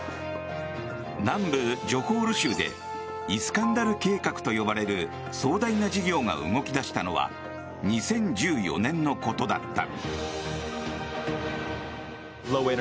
南部ジョホール州でイスカンダル計画と呼ばれる壮大な事業が動き出したのは２０１４年のことだった。